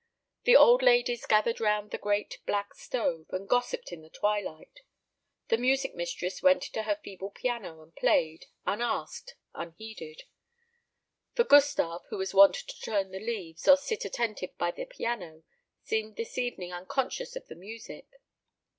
The old ladies gathered round the great black stove, and gossipped in the twilight; the music mistress went to her feeble piano, and played, unasked, unheeded; for Gustave, who was wont to turn the leaves, or sit attentive by the piano, seemed this evening unconscious of the music.